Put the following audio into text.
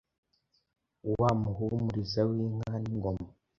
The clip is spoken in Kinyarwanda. Wa Muhumuriza w'inka n'ingoma,